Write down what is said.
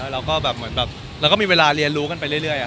เราก็มีเวลาจะเรียนรู้กันไปเรื่อย